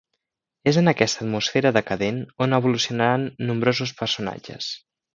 És en aquesta atmosfera decadent on evolucionaran nombrosos personatges.